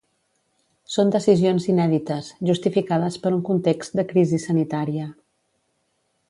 Són decisions inèdites, justificades per un context de crisi sanitària.